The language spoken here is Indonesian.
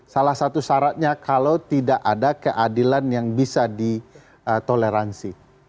salah satu syaratnya kalau tidak ada keadilan yang bisa ditoleransi